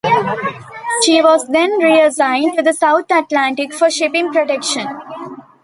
She was then reassigned to the South Atlantic for shipping protection.